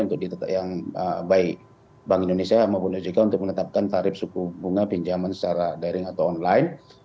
untuk yang baik bank indonesia maupun ojk untuk menetapkan tarif suku bunga pinjaman secara daring atau online